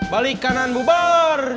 balik kanan bubar